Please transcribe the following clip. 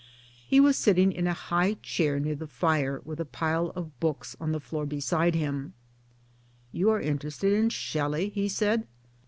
He was sitting in a high chair near the fire with a pile of books on the floor beside him 1 .'' You are interested in Shelley," he said.